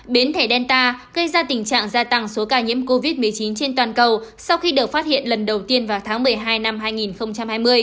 biến thể delta gây ra tình trạng gia tăng số ca nhiễm covid một mươi chín trên toàn cầu sau khi được phát hiện lần đầu tiên vào tháng một mươi hai năm hai nghìn hai mươi